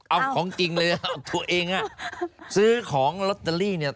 เอาของจริงเลยอ่ะตัวเองอ่ะซื้อของลอตเตอรี่เนี่ย